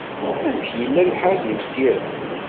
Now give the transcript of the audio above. Amek yella lḥal di Mkira?